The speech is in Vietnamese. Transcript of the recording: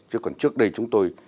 chứ còn trước đây chúng tôi